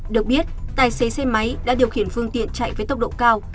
được biết tài xế xe máy đã điều khiển phương tiện chạy với tốc độ cao